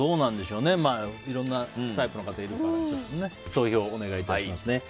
いろんなタイプの方いると思いますが投票をお願いします。